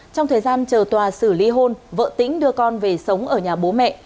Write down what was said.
trong thời gian chờ tòa xử lý hôn vợ tĩnh đưa con về sống ở nhà bố mẹ